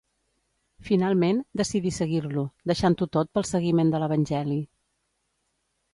Finalment, decidí seguir-lo, deixant-ho tot pel seguiment de l'Evangeli.